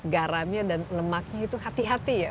garamnya dan lemaknya itu hati hati ya